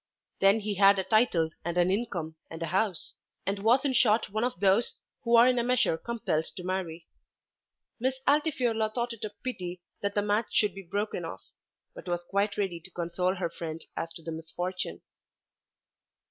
Then he had a title and an income and a house; and was in short one of those who are in a measure compelled to marry. Miss Altifiorla thought it a pity that the match should be broken off, but was quite ready to console her friend as to the misfortune.